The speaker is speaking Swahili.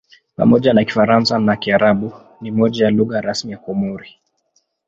Pamoja na Kifaransa na Kiarabu ni moja ya lugha rasmi ya Komori.